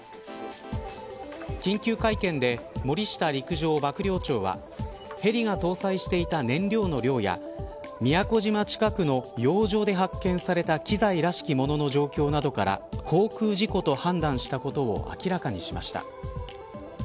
緊急会見で森下陸上幕僚長はヘリが搭載していた燃料の量や宮古島近くの洋上で発見された機材らしきものの状況などから航空事故と判断したことを明らかにしました。